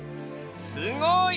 すごい！